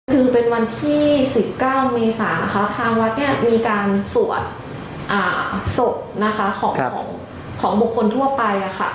คือเป็นวันที่๑๙เมษาค่ะทางวัดเนี่ยมีการสวดศพนะคะของบุคคลทั่วไป